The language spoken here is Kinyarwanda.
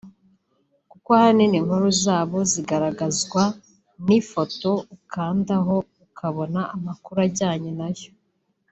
kuko ahanini inkuru zabo zigaragazwa n’ifoto ukandaho ukabona amakuru ajyanye na yo